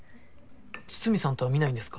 筒見さんとは観ないんですか？